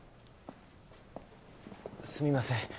すみません